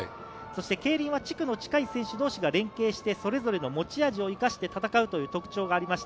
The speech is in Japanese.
競輪は地区の近い選手同士が連係して、それぞれの持ち味を生かして戦うという特徴があります。